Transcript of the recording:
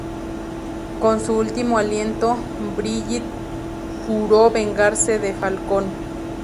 Con su último aliento, Brigid juró vengarse de Falcone.